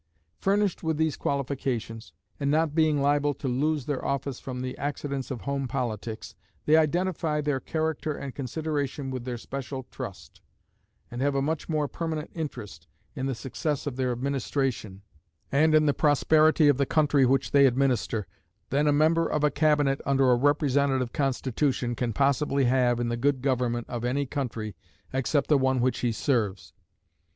Furnished with these qualifications, and not being liable to lose their office from the accidents of home politics, they identify their character and consideration with their special trust, and have a much more permanent interest in the success of their administration, and in the prosperity of the country which they administer, than a member of a cabinet under a representative constitution can possibly have in the good government of any country except the one which he serves.